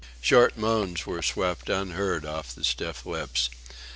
Short moans were swept unheard off the stiff lips.